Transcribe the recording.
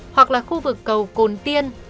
hoặc là khu vực cầu cồn tiên